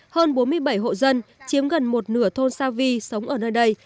hơn bốn mươi bảy hộ dân chiếm gần một nửa thôn sa vi sống ở nơi đây